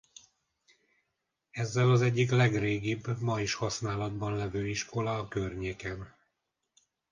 Ezzel az egyik legrégibb ma is használatban levő iskola a környéken.